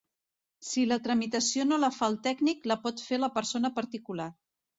Si la tramitació no la fa el tècnic, la pot fer la persona particular.